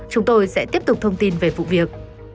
chúng tôi sẽ tiếp tục thông tin về vụ việc